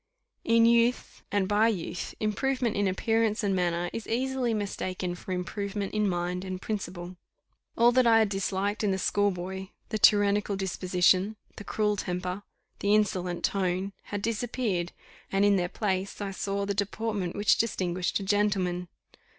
In youth, and by youth, improvement in appearance and manner is easily mistaken for improvement in mind and principle. All that I had disliked in the schoolboy the tyrannical disposition the cruel temper the insolent tone had disappeared, and in their place I saw the deportment which distinguished a gentleman.